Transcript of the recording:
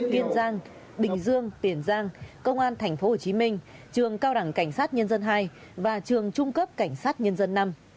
biên giang bình dương tiền giang công an thành phố hồ chí minh trường cao đẳng cảnh sát nhân dân hai và trường trung cấp cảnh sát nhân dân năm